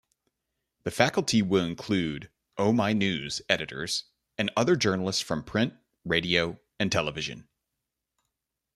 The faculty will include "OhmyNews" editors and other journalists from print, radio and television.